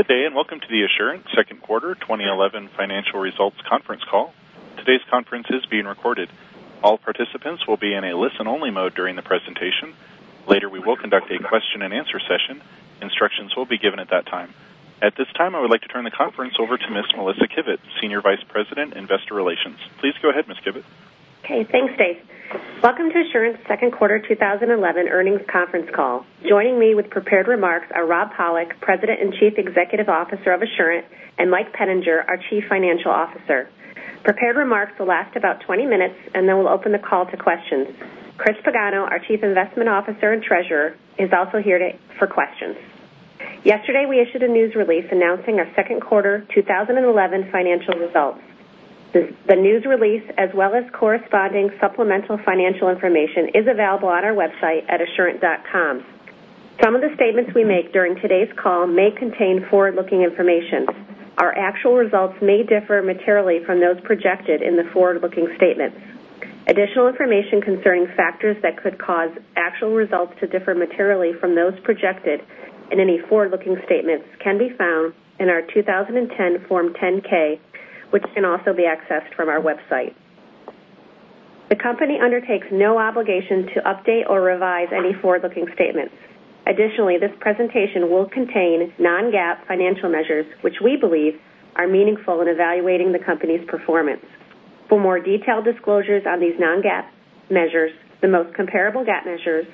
Good day, welcome to the Assurant second quarter 2011 financial results conference call. Today's conference is being recorded. All participants will be in a listen-only mode during the presentation. Later, we will conduct a question-and-answer session. Instructions will be given at that time. At this time, I would like to turn the conference over to Ms. Melissa Kivett, Senior Vice President, Investor Relations. Please go ahead, Ms. Kivett. Okay, thanks, Dave. Welcome to Assurant's second quarter 2011 earnings conference call. Joining me with prepared remarks are Rob Pollock, President and Chief Executive Officer of Assurant, and Mike Peninger, our Chief Financial Officer. Prepared remarks will last about 20 minutes, then we'll open the call to questions. Chris Pagano, our Chief Investment Officer and Treasurer, is also here for questions. Yesterday, we issued a news release announcing our second quarter 2011 financial results. The news release, as well as corresponding supplemental financial information, is available on our website at assurant.com. Some of the statements we make during today's call may contain forward-looking information. Our actual results may differ materially from those projected in the forward-looking statements. Additional information concerning factors that could cause actual results to differ materially from those projected in any forward-looking statements can be found in our 2010 Form 10-K, which can also be accessed from our website. The company undertakes no obligation to update or revise any forward-looking statements. Additionally, this presentation will contain non-GAAP financial measures, which we believe are meaningful in evaluating the company's performance. For more detailed disclosures on these non-GAAP measures, the most comparable GAAP measures,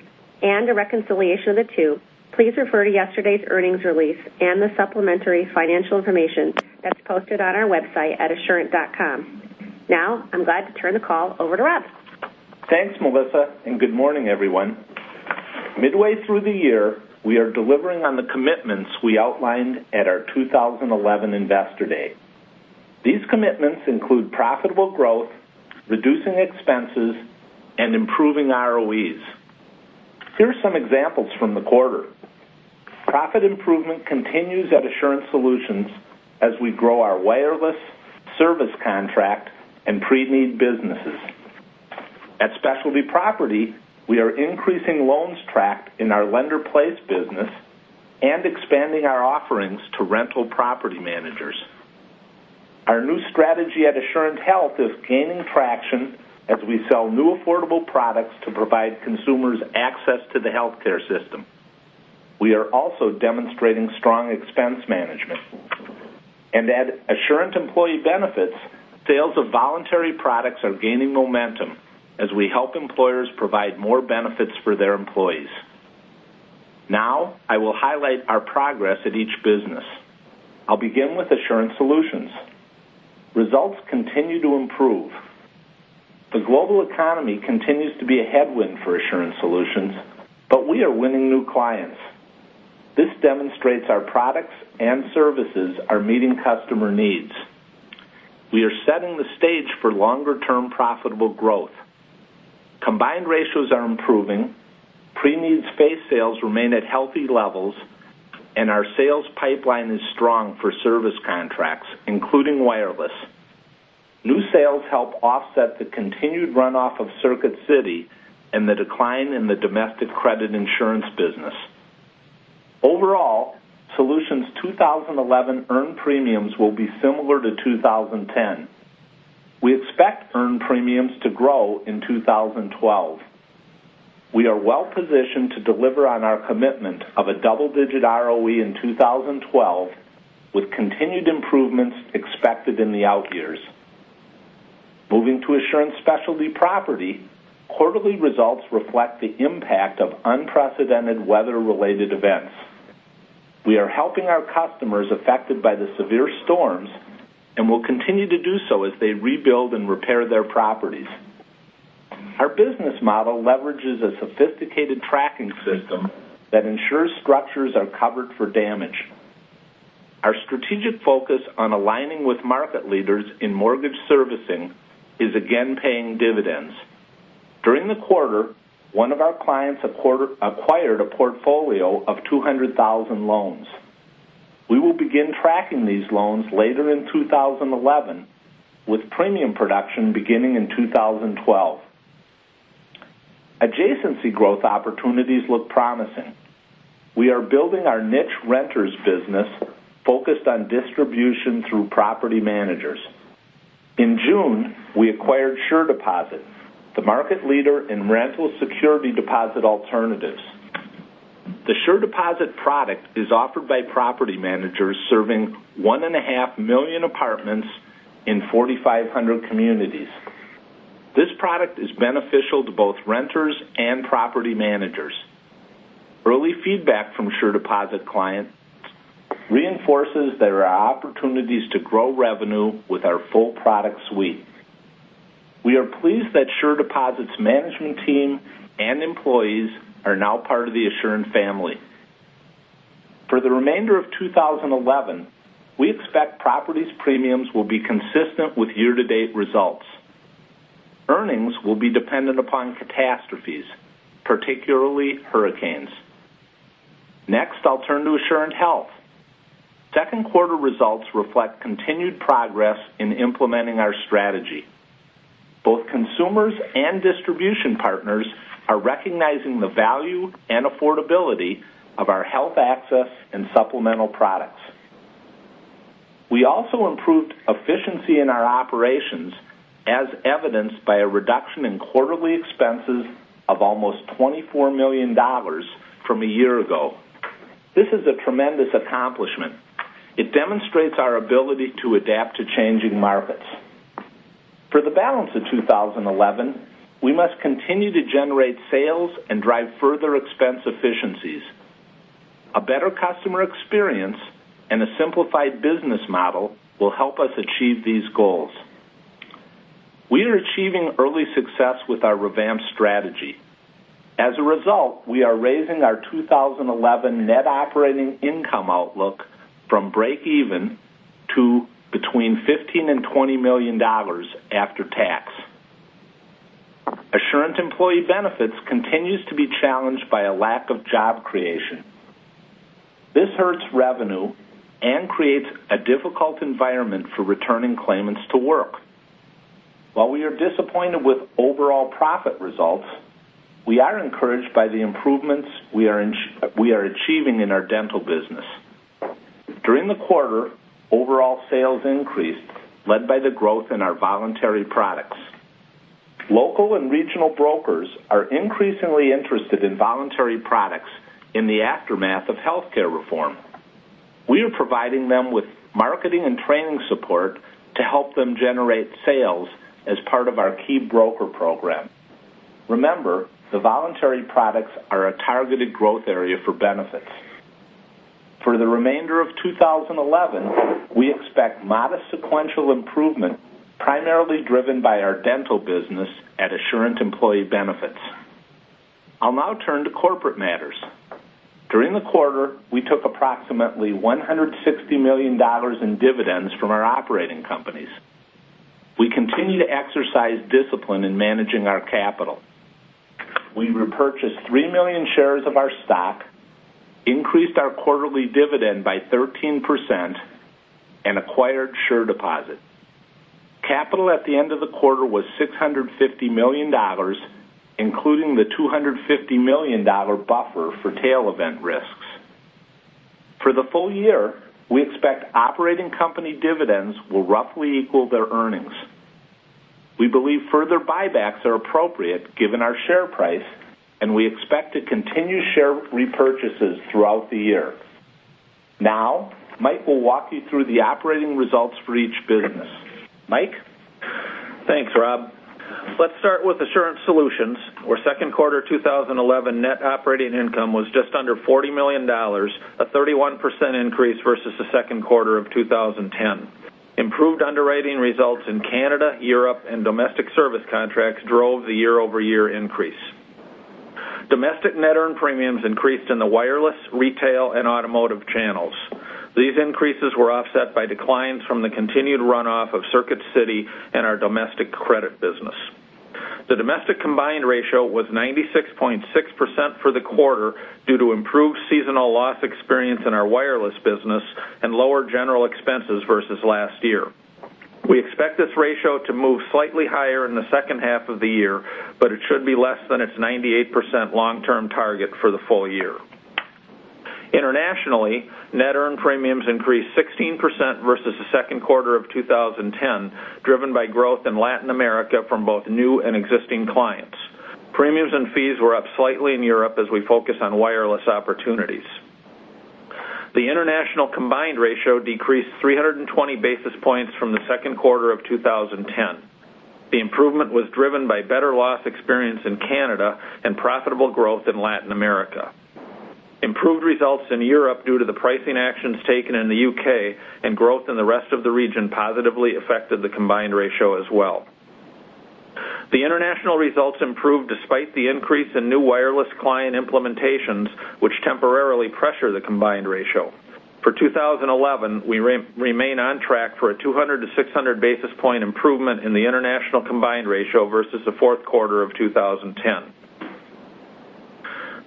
and a reconciliation of the two, please refer to yesterday's earnings release and the supplementary financial information that's posted on our website at assurant.com. Now, I'm glad to turn the call over to Rob. Thanks, Melissa, good morning, everyone. Midway through the year, we are delivering on the commitments we outlined at our 2011 Investor Day. These commitments include profitable growth, reducing expenses, and improving ROEs. Here are some examples from the quarter. Profit improvement continues at Assurant Solutions as we grow our wireless service contract and pre-need businesses. At Specialty Property, we are increasing loans tracked in our lender-placed business and expanding our offerings to rental property managers. Our new strategy at Assurant Health is gaining traction as we sell new affordable products to provide consumers access to the healthcare system. We are also demonstrating strong expense management. At Assurant Employee Benefits, sales of voluntary products are gaining momentum as we help employers provide more benefits for their employees. Now, I will highlight our progress at each business. I'll begin with Assurant Solutions. Results continue to improve. The global economy continues to be a headwind for Assurant Solutions, but we are winning new clients. This demonstrates our products and services are meeting customer needs. We are setting the stage for longer-term profitable growth. Combined ratios are improving. Pre-needs face sales remain at healthy levels, and our sales pipeline is strong for service contracts, including wireless. New sales help offset the continued runoff of Circuit City and the decline in the domestic credit insurance business. Overall, Solutions' 2011 earned premiums will be similar to 2010. We expect earned premiums to grow in 2012. We are well positioned to deliver on our commitment of a double-digit ROE in 2012, with continued improvements expected in the out years. Moving to Assurant Specialty Property, quarterly results reflect the impact of unprecedented weather-related events. We are helping our customers affected by the severe storms and will continue to do so as they rebuild and repair their properties. Our business model leverages a sophisticated tracking system that ensures structures are covered for damage. Our strategic focus on aligning with market leaders in mortgage servicing is again paying dividends. During the quarter, one of our clients acquired a portfolio of 200,000 loans. We will begin tracking these loans later in 2011, with premium production beginning in 2012. Adjacency growth opportunities look promising. We are building our niche renters business focused on distribution through property managers. In June, we acquired SureDeposit, the market leader in rental security deposit alternatives. The SureDeposit product is offered by property managers serving one and a half million apartments in 4,500 communities. This product is beneficial to both renters and property managers. Early feedback from SureDeposit clients reinforces there are opportunities to grow revenue with our full product suite. We are pleased that SureDeposit's management team and employees are now part of the Assurant family. For the remainder of 2011, we expect properties premiums will be consistent with year-to-date results. Earnings will be dependent upon catastrophes, particularly hurricanes. Next, I'll turn to Assurant Health. Second quarter results reflect continued progress in implementing our strategy. Both consumers and distribution partners are recognizing the value and affordability of our Health Access and supplemental products. We also improved efficiency in our operations as evidenced by a reduction in quarterly expenses of almost $24 million from a year ago. This is a tremendous accomplishment. It demonstrates our ability to adapt to changing markets. For the balance of 2011, we must continue to generate sales and drive further expense efficiencies. A better customer experience and a simplified business model will help us achieve these goals. We are achieving early success with our revamped strategy. As a result, we are raising our 2011 net operating income outlook from breakeven to between $15 million and $20 million after tax. Assurant Employee Benefits continues to be challenged by a lack of job creation. This hurts revenue and creates a difficult environment for returning claimants to work. While we are disappointed with overall profit results, we are encouraged by the improvements we are achieving in our dental business. During the quarter, overall sales increased, led by the growth in our voluntary products. Local and regional brokers are increasingly interested in voluntary products in the aftermath of healthcare reform. We are providing them with marketing and training support to help them generate sales as part of our key broker program. Remember, the voluntary products are a targeted growth area for benefits. For the remainder of 2011, we expect modest sequential improvement, primarily driven by our dental business at Assurant Employee Benefits. I'll now turn to corporate matters. During the quarter, we took approximately $160 million in dividends from our operating companies. We continue to exercise discipline in managing our capital. We repurchased 3 million shares of our stock, increased our quarterly dividend by 13%, and acquired SureDeposit. Capital at the end of the quarter was $650 million, including the $250 million buffer for tail event risks. For the full year, we expect operating company dividends will roughly equal their earnings. We believe further buybacks are appropriate given our share price, and we expect to continue share repurchases throughout the year. Mike will walk you through the operating results for each business. Mike? Thanks, Rob. Let's start with Assurant Solutions, where second quarter 2011 net operating income was just under $40 million, a 31% increase versus the second quarter of 2010. Improved underwriting results in Canada, Europe, and domestic service contracts drove the year-over-year increase. Domestic net earned premiums increased in the wireless, retail, and automotive channels. These increases were offset by declines from the continued runoff of Circuit City and our domestic credit business. The domestic combined ratio was 96.6% for the quarter due to improved seasonal loss experience in our wireless business and lower general expenses versus last year. We expect this ratio to move slightly higher in the second half of the year, but it should be less than its 98% long-term target for the full year. Internationally, net earned premiums increased 16% versus the second quarter of 2010, driven by growth in Latin America from both new and existing clients. Premiums and fees were up slightly in Europe as we focus on wireless opportunities. The international combined ratio decreased 320 basis points from the second quarter of 2010. The improvement was driven by better loss experience in Canada and profitable growth in Latin America. Improved results in Europe due to the pricing actions taken in the U.K. and growth in the rest of the region positively affected the combined ratio as well. The international results improved despite the increase in new wireless client implementations, which temporarily pressure the combined ratio. For 2011, we remain on track for a 200 to 600 basis point improvement in the international combined ratio versus the fourth quarter of 2010.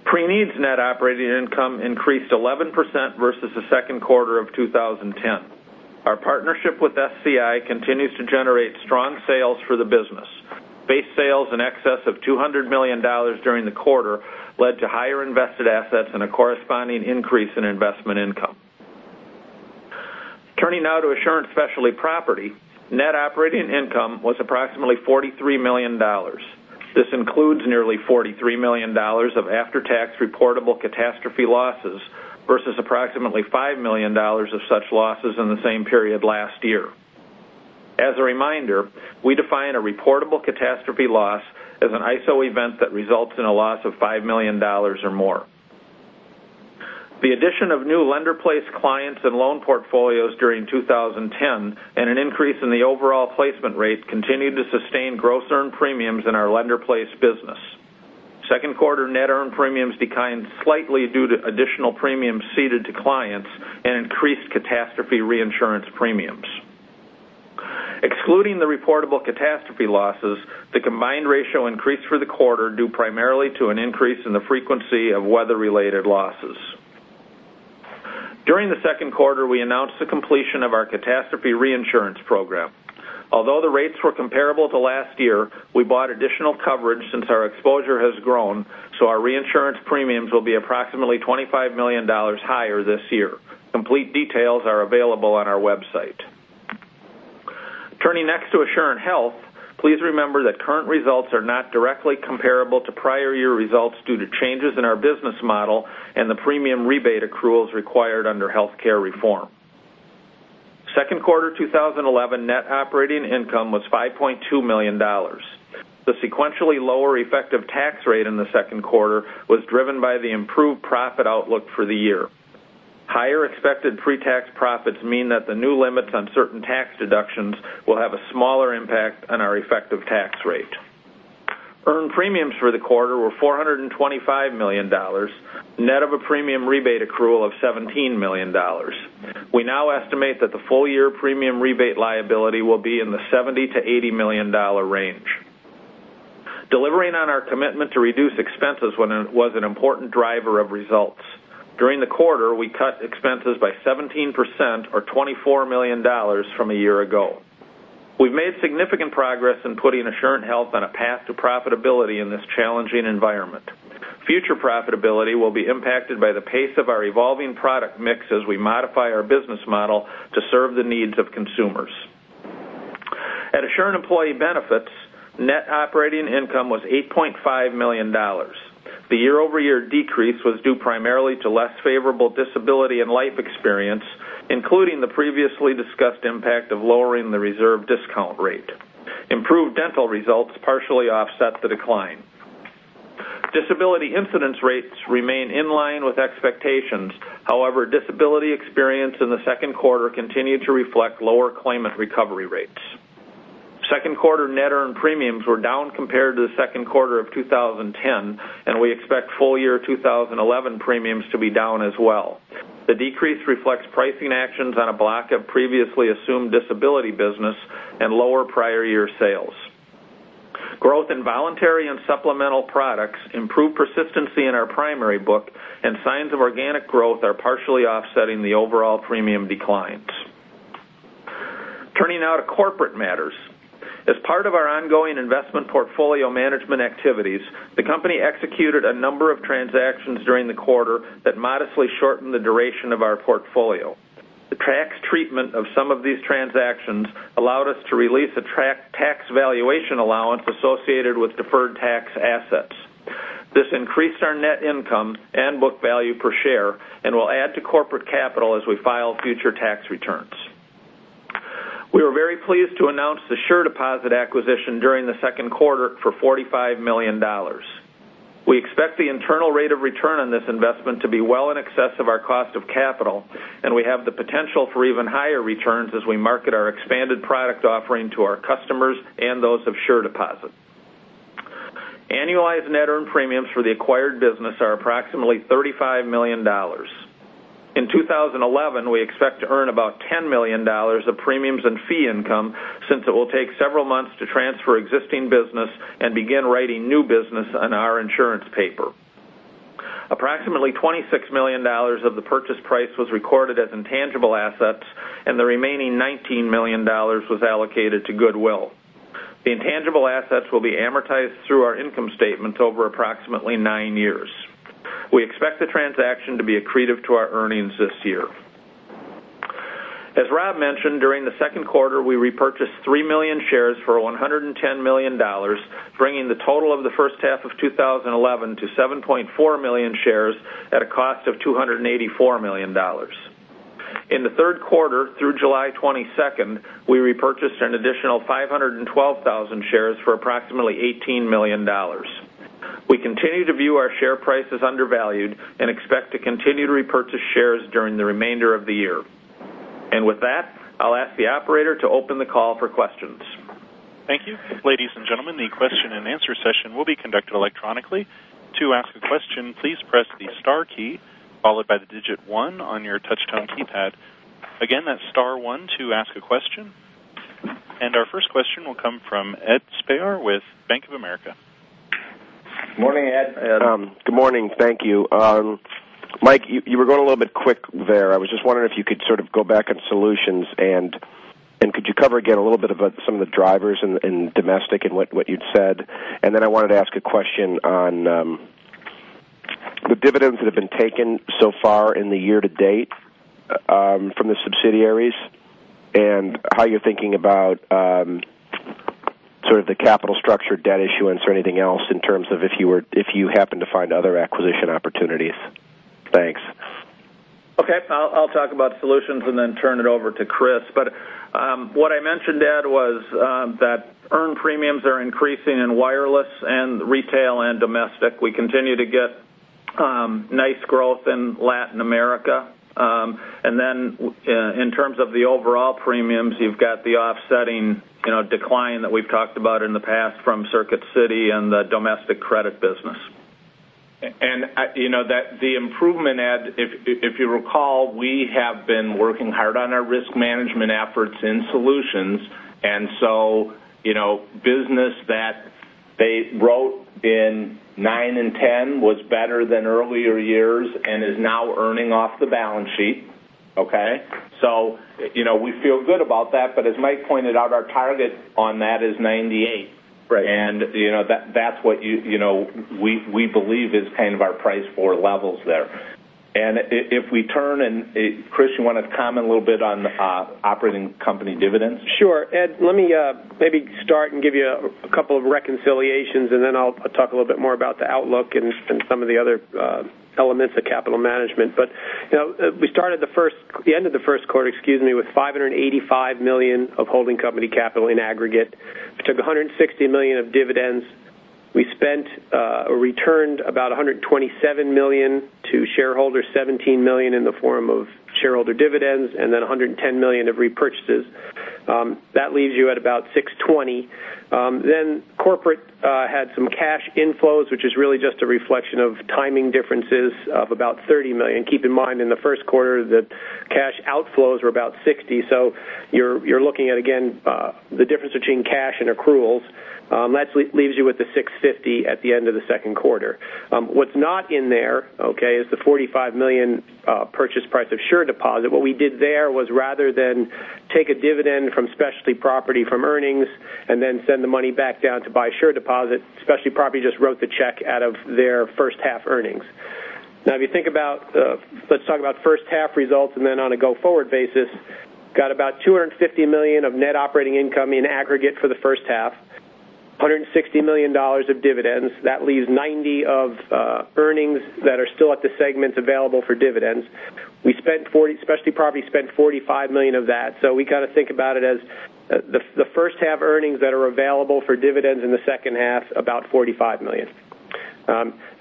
Preneeds net operating income increased 11% versus the second quarter of 2010. Our partnership with SCI continues to generate strong sales for the business. Base sales in excess of $200 million during the quarter led to higher invested assets and a corresponding increase in investment income. Turning now to Assurant Specialty Property, net operating income was approximately $43 million. This includes nearly $43 million of after-tax reportable catastrophe losses versus approximately $5 million of such losses in the same period last year. As a reminder, we define a reportable catastrophe loss as an ISO event that results in a loss of $5 million or more. The addition of new lender-placed clients and loan portfolios during 2010 and an increase in the overall placement rate continued to sustain gross earned premiums in our lender-placed business. Second quarter net earned premiums declined slightly due to additional premiums ceded to clients and increased catastrophe reinsurance premiums. Excluding the reportable catastrophe losses, the combined ratio increased for the quarter due primarily to an increase in the frequency of weather-related losses. During the second quarter, we announced the completion of our catastrophe reinsurance program. Although the rates were comparable to last year, we bought additional coverage since our exposure has grown, so our reinsurance premiums will be approximately $25 million higher this year. Complete details are available on our website. Turning next to Assurant Health, please remember that current results are not directly comparable to prior year results due to changes in our business model and the premium rebate accruals required under healthcare reform. Second quarter 2011 net operating income was $5.2 million. The sequentially lower effective tax rate in the second quarter was driven by the improved profit outlook for the year. Higher expected pre-tax profits mean that the new limits on certain tax deductions will have a smaller impact on our effective tax rate. Earned premiums for the quarter were $425 million, net of a premium rebate accrual of $17 million. We now estimate that the full year premium rebate liability will be in the $70 million-$80 million range. Delivering on our commitment to reduce expenses was an important driver of results. During the quarter, we cut expenses by 17%, or $24 million from a year ago. We've made significant progress in putting Assurant Health on a path to profitability in this challenging environment. Future profitability will be impacted by the pace of our evolving product mix as we modify our business model to serve the needs of consumers. At Assurant Employee Benefits, net operating income was $8.5 million. The year-over-year decrease was due primarily to less favorable disability and life experience, including the previously discussed impact of lowering the reserve discount rate. Improved dental results partially offset the decline. Disability incidence rates remain in line with expectations. However, disability experience in the second quarter continued to reflect lower claimant recovery rates. Second quarter net earned premiums were down compared to the second quarter of 2010, and we expect full year 2011 premiums to be down as well. The decrease reflects pricing actions on a block of previously assumed disability business and lower prior year sales. Growth in voluntary and supplemental products, improved persistency in our primary book, and signs of organic growth are partially offsetting the overall premium declines. Turning now to corporate matters. As part of our ongoing investment portfolio management activities, the company executed a number of transactions during the quarter that modestly shortened the duration of our portfolio. The tax treatment of some of these transactions allowed us to release a tax valuation allowance associated with deferred tax assets. This increased our net income and book value per share and will add to corporate capital as we file future tax returns. We were very pleased to announce the SureDeposit acquisition during the second quarter for $45 million. We expect the internal rate of return on this investment to be well in excess of our cost of capital, and we have the potential for even higher returns as we market our expanded product offering to our customers and those of SureDeposit. Annualized net earned premiums for the acquired business are approximately $35 million. In 2011, we expect to earn about $10 million of premiums and fee income, since it will take several months to transfer existing business and begin writing new business on our insurance paper. Approximately $26 million of the purchase price was recorded as intangible assets, and the remaining $19 million was allocated to goodwill. The intangible assets will be amortized through our income statements over approximately nine years. We expect the transaction to be accretive to our earnings this year. As Rob mentioned, during the second quarter, we repurchased 3 million shares for $110 million, bringing the total of the first half of 2011 to 7.4 million shares at a cost of $284 million. In the third quarter, through July 22nd, we repurchased an additional 512,000 shares for approximately $18 million. We continue to view our share price as undervalued and expect to continue to repurchase shares during the remainder of the year. With that, I'll ask the operator to open the call for questions. Thank you. Ladies and gentlemen, the question and answer session will be conducted electronically. To ask a question, please press the star key followed by the digit one on your touch tone keypad. Again, that's star one to ask a question. Our first question will come from Ed Spehar with Bank of America. Morning, Ed. Good morning. Thank you. Mike, you were going a little bit quick there. I was just wondering if you could sort of go back on solutions, could you cover again a little bit about some of the drivers in domestic and what you'd said? I wanted to ask a question on the dividends that have been taken so far in the year-to-date from the subsidiaries, and how you're thinking about sort of the capital structure debt issuance or anything else in terms of if you happen to find other acquisition opportunities. Thanks. Okay. I'll talk about solutions, turn it over to Chris. What I mentioned, Ed, was that earned premiums are increasing in wireless and retail and domestic. We continue to get nice growth in Latin America. In terms of the overall premiums, you've got the offsetting decline that we've talked about in the past from Circuit City and the domestic credit business. The improvement, Ed, if you recall, we have been working hard on our risk management efforts in solutions. Business that They wrote in 9 and 10 was better than earlier years and is now earning off the balance sheet. Okay. We feel good about that, as Mike pointed out, our target on that is 98. Right. That's what we believe is kind of our price for levels there. If we turn, Chris, you want to comment a little bit on operating company dividends? Sure. Ed, let me maybe start and give you a couple of reconciliations. I'll talk a little bit more about the outlook and some of the other elements of capital management. We started the end of the first quarter with $585 million of holding company capital in aggregate. We took $160 million of dividends. We spent or returned about $127 million to shareholders, $17 million in the form of shareholder dividends, and $110 million of repurchases. That leaves you at about $620. Corporate had some cash inflows, which is really just a reflection of timing differences of about $30 million. Keep in mind, in the first quarter, the cash outflows were about $60. You're looking at, again, the difference between cash and accruals. That leaves you with the $650 at the end of the second quarter. What's not in there, okay, is the $45 million purchase price of SureDeposit. What we did there was rather than take a dividend from Specialty Property from earnings and send the money back down to buy SureDeposit, Specialty Property just wrote the check out of their first half earnings. Let's talk about first half results and on a go-forward basis. Got about $250 million of net operating income in aggregate for the first half, $160 million of dividends. That leaves $90 of earnings that are still at the segments available for dividends. Specialty Property spent $45 million of that. We got to think about it as the first half earnings that are available for dividends in the second half, about $45 million.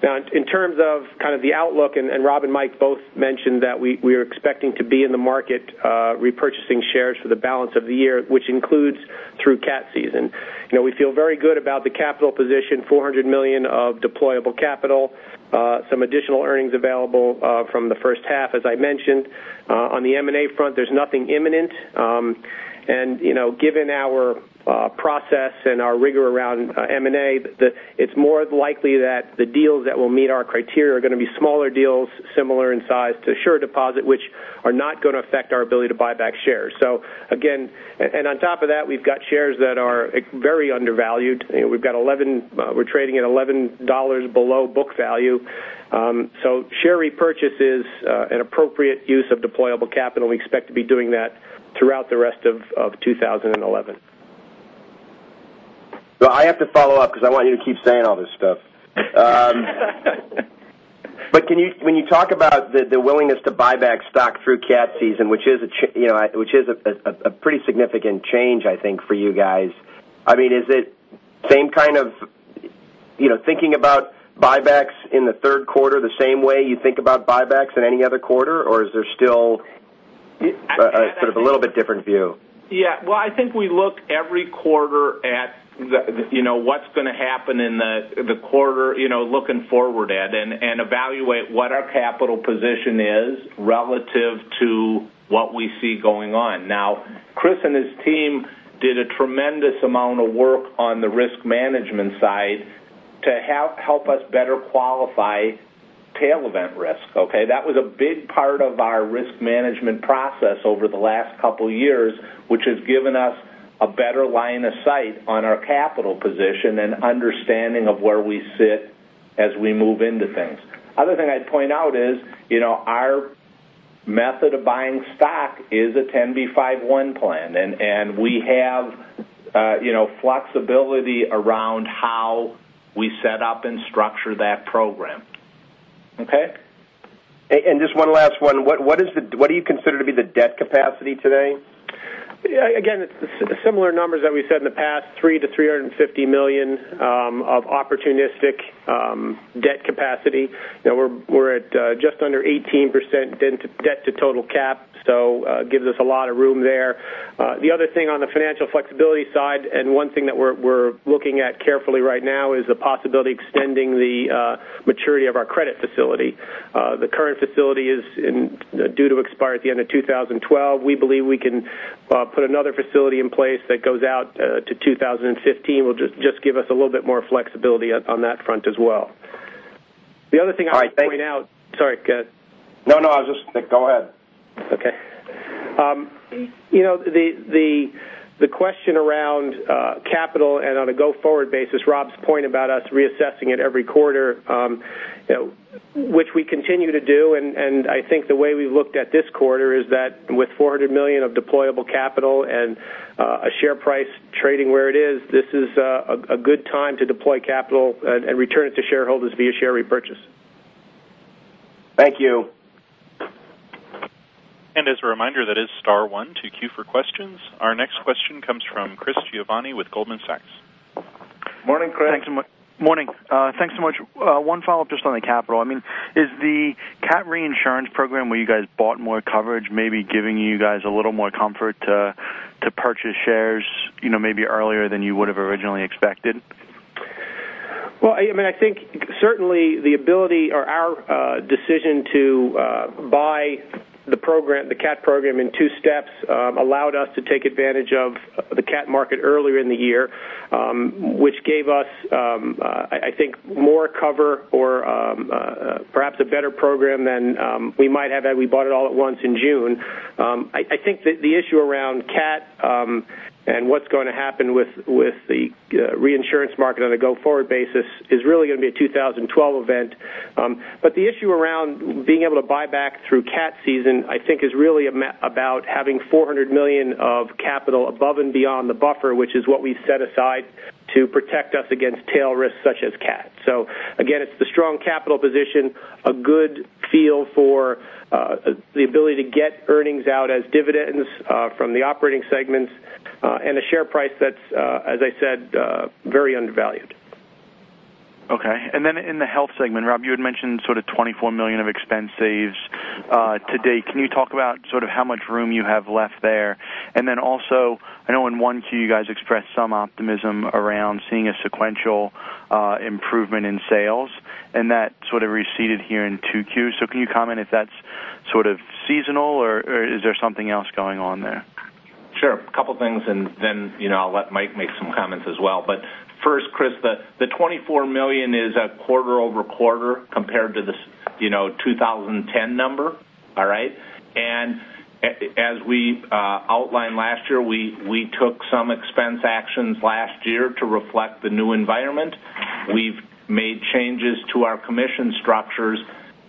In terms of kind of the outlook, Rob and Mike both mentioned that we are expecting to be in the market repurchasing shares for the balance of the year, which includes through cat season. We feel very good about the capital position, $400 million of deployable capital, some additional earnings available from the first half, as I mentioned. On the M&A front, there's nothing imminent. Given our process and our rigor around M&A, it's more likely that the deals that will meet our criteria are going to be smaller deals, similar in size to SureDeposit, which are not going to affect our ability to buy back shares. On top of that, we've got shares that are very undervalued. We're trading at $11 below book value. Share repurchase is an appropriate use of deployable capital, and we expect to be doing that throughout the rest of 2011. I have to follow up because I want you to keep saying all this stuff. When you talk about the willingness to buy back stock through cat season, which is a pretty significant change, I think, for you guys, is it thinking about buybacks in the third quarter the same way you think about buybacks in any other quarter? Or is there still sort of a little bit different view? Well, I think we look every quarter at what's going to happen in the quarter, looking forward at and evaluate what our capital position is relative to what we see going on. Chris and his team did a tremendous amount of work on the risk management side to help us better qualify tail event risk. Okay? That was a big part of our risk management process over the last couple of years, which has given us a better line of sight on our capital position and understanding of where we sit as we move into things. Other thing I'd point out is our method of buying stock is a 10b5-1 plan, and we have flexibility around how we set up and structure that program. Okay? Just one last one. What do you consider to be the debt capacity today? Again, similar numbers that we said in the past, $300 million-$350 million of opportunistic debt capacity. We're at just under 18% debt to total cap. Gives us a lot of room there. The other thing on the financial flexibility side, one thing that we're looking at carefully right now is the possibility of extending the maturity of our credit facility. The current facility is due to expire at the end of 2012. We believe we can put another facility in place that goes out to 2015, will just give us a little bit more flexibility on that front as well. The other thing I would point out. All right. Thank you. Sorry, go ahead. No, go ahead. Okay. The question around capital and on a go-forward basis, Rob's point about us reassessing it every quarter, which we continue to do, and I think the way we looked at this quarter is that with $400 million of deployable capital and a share price trading where it is, this is a good time to deploy capital and return it to shareholders via share repurchase. Thank you. As a reminder, that is star one to queue for questions. Our next question comes from Chris Giovanni with Goldman Sachs. Morning, Chris. Morning. Thanks so much. One follow-up just on the capital. Is the catastrophe reinsurance program where you guys bought more coverage maybe giving you guys a little more comfort to purchase shares maybe earlier than you would have originally expected? Well, I think certainly our decision to buy the cat program in two steps allowed us to take advantage of the cat market earlier in the year which gave us more cover or perhaps a better program than we might have had we bought it all at once in June. I think the issue around cat, and what's going to happen with the reinsurance market on a go-forward basis is really going to be a 2012 event. The issue around being able to buy back through cat season, I think is really about having $400 million of capital above and beyond the buffer, which is what we've set aside to protect us against tail risks such as cat. Again, it's the strong capital position, a good feel for the ability to get earnings out as dividends from the operating segments, and a share price that's, as I said, very undervalued. Okay. In the Health segment, Rob, you had mentioned sort of $24 million of expense saves to date. Can you talk about how much room you have left there? Also, I know in 1Q you guys expressed some optimism around seeing a sequential improvement in sales, and that sort of receded here in 2Q. Can you comment if that's sort of seasonal or is there something else going on there? Sure. A couple of things and then I'll let Mike make some comments as well. First, Chris, the $24 million is a quarter-over-quarter compared to the 2010 number. All right? As we outlined last year, we took some expense actions last year to reflect the new environment. We've made changes to our commission structures.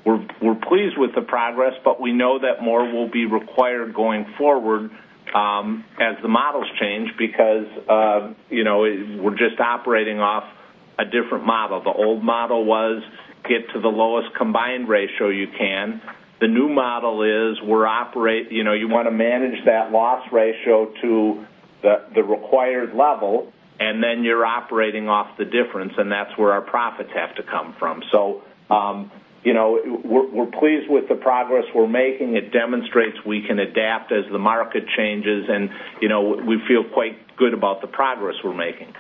We're pleased with the progress, but we know that more will be required going forward as the models change because we're just operating off a different model. The old model was get to the lowest combined ratio you can. The new model is you want to manage that loss ratio to the required level, and then you're operating off the difference, and that's where our profits have to come from. We're pleased with the progress we're making. It demonstrates we can adapt as the market changes, and we feel quite good about the progress we're making.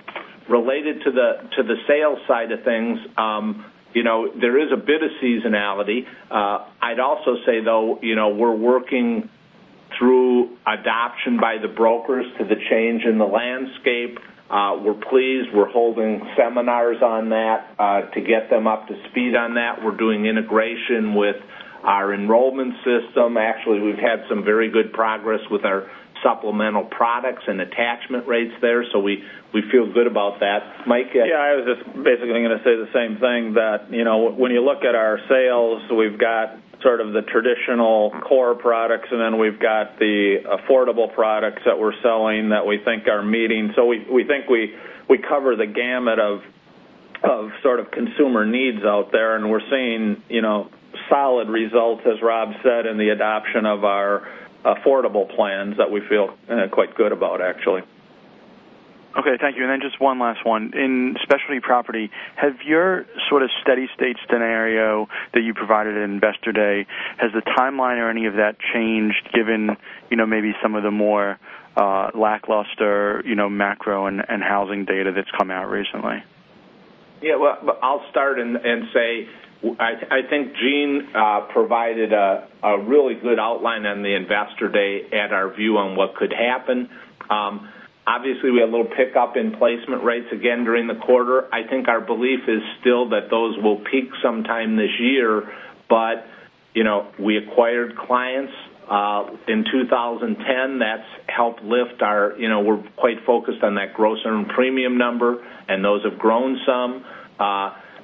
Related to the sales side of things, there is a bit of seasonality. I'd also say, though, we're working through adoption by the brokers to the change in the landscape. We're pleased, we're holding seminars on that to get them up to speed on that. We're doing integration with our enrollment system. Actually, we've had some very good progress with our supplemental products and attachment rates there. We feel good about that. Mike? Yeah, I was just basically going to say the same thing that when you look at our sales, we've got sort of the traditional core products, and then we've got the affordable products that we're selling that we think are meeting. We think we cover the gamut of sort of consumer needs out there, and we're seeing solid results, as Rob said, in the adoption of our affordable plans that we feel quite good about, actually. Okay. Thank you. Then just one last one. In specialty property, have your sort of steady-state scenario that you provided at Investor Day, has the timeline or any of that changed given maybe some of the more lackluster macro and housing data that's come out recently? Yeah. Well, I'll start and say I think Gene provided a really good outline on the Investor Day at our view on what could happen. Obviously, we had a little pickup in placement rates again during the quarter. I think our belief is still that those will peak sometime this year. We acquired clients in 2010, that's helped lift, we're quite focused on that gross earned premium number, and those have grown some.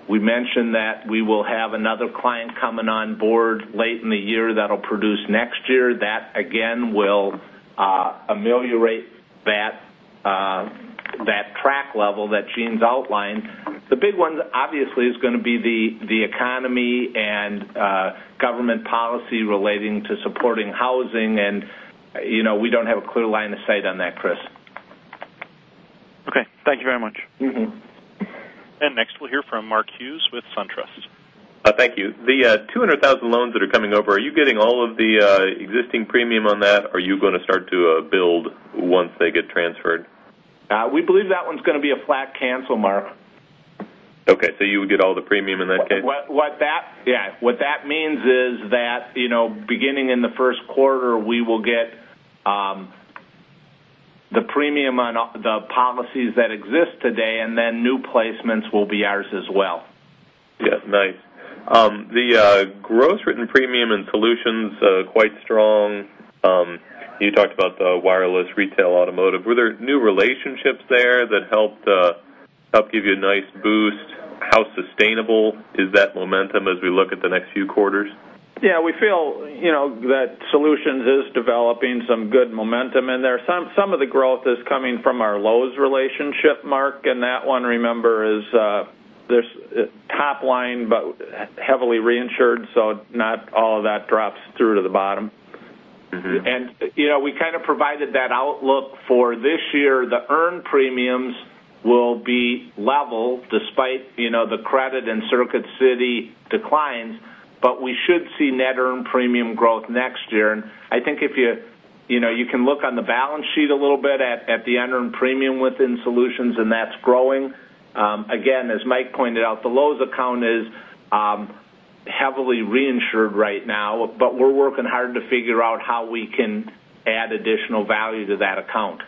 We mentioned that we will have another client coming on board late in the year that'll produce next year. That again will ameliorate that track level that Gene's outlined. The big one obviously is going to be the economy and government policy relating to supporting housing, and we don't have a clear line of sight on that, Chris. Okay. Thank you very much. Next, we'll hear from Mark Hughes with SunTrust. Thank you. The 200,000 loans that are coming over, are you getting all of the existing premium on that, or are you going to start to build once they get transferred? We believe that one's going to be a flat cancel, Mark. Okay, you would get all the premium in that case? Yeah. What that means is that beginning in the first quarter, we will get the premium on the policies that exist today, and then new placements will be ours as well. Yeah. Nice. The gross written premium in Assurant Solutions are quite strong. You talked about the wireless retail automotive. Were there new relationships there that helped give you a nice boost? How sustainable is that momentum as we look at the next few quarters? Yeah, we feel that Solutions is developing some good momentum in there. Some of the growth is coming from our Lowe's relationship, Mark, that one, remember, is top line but heavily reinsured, not all of that drops through to the bottom. We kind of provided that outlook for this year. The earned premiums will be level despite the credit and Circuit City declines. We should see net earned premium growth next year. I think you can look on the balance sheet a little bit at the unearned premium within Solutions, that's growing. Again, as Mike pointed out, the Lowe's account is heavily reinsured right now, we're working hard to figure out how we can add additional value to that account.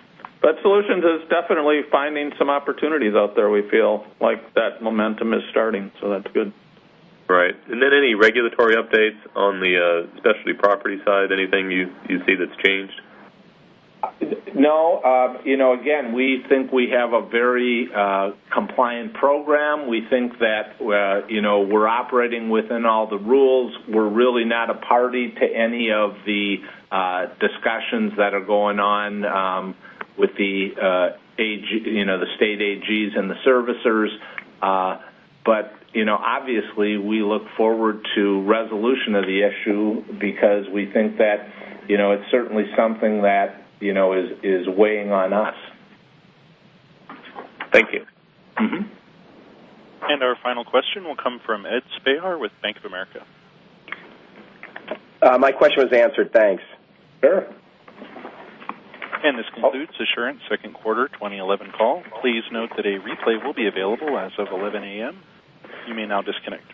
Solutions is definitely finding some opportunities out there. We feel like that momentum is starting, that's good. Right. Then any regulatory updates on the Specialty Property side? Anything you see that's changed? No. Again, we think we have a very compliant program. We think that we're operating within all the rules. We're really not a party to any of the discussions that are going on with the State AGs and the servicers. Obviously, we look forward to resolution of the issue because we think that it's certainly something that is weighing on us. Thank you. Our final question will come from Ed Spehar with Bank of America. My question was answered. Thanks. Sure. This concludes Assurant second quarter 2011 call. Please note that a replay will be available as of 11:00 A.M. You may now disconnect your line